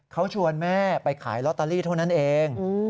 เขาชวนแม่ไปขายลอตเตอรี่เท่านั้นเอง